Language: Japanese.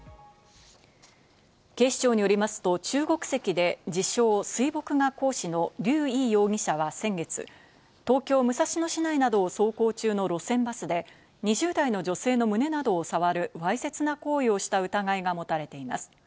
警視庁によりますと中国籍で自称・水墨画講師のリュウ・イ容疑者は先月、東京・武蔵野市内などを走行中の路線バスで２０代の女性の胸などをさわる、わいせつな行為をした疑いが持たれています。